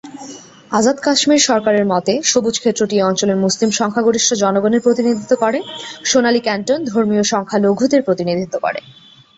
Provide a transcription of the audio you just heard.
আজাদ কাশ্মীর সরকারের মতে, সবুজ ক্ষেত্রটি এই অঞ্চলের মুসলিম সংখ্যাগরিষ্ঠ জনগণের প্রতিনিধিত্ব করে; সোনালী ক্যান্টন ধর্মীয় সংখ্যালঘুদের প্রতিনিধিত্ব করে।